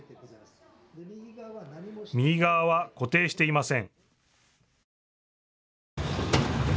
右側は固定していません。